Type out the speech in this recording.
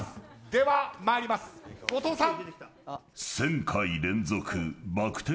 では、まいります、後藤さん。